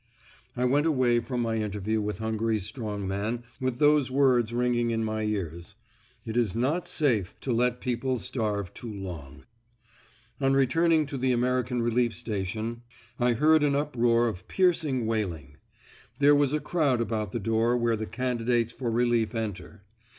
I went away from my interview with Hungary's strong man with those words ringing in my ears, "It is not safe to let people starve too long." On returning to the American Relief Station I heard an uproar of piercing wailing. There was a crowd about the door where the candidates for relief enter.